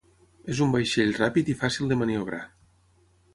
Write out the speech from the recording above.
És un vaixell ràpid i fàcil de maniobrar.